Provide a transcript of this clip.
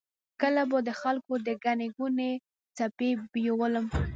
کله به د خلکو د ګڼې ګوڼې څپې بیولم.